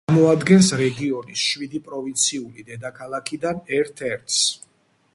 წარმოადგენს რეგიონის შვიდი პროვინციული დედაქალაქიდან ერთ-ერთს.